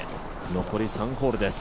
残り３ホールです